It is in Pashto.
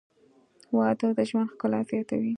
• واده د ژوند ښکلا زیاتوي.